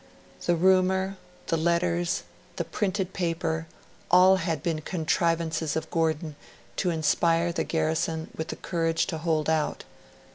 The rumour, the letters, the printed paper, all had been contrivances of Gordon to inspire the garrison with the courage to hold out.